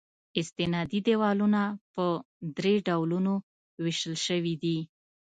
استنادي دیوالونه په درې ډولونو ویشل شوي دي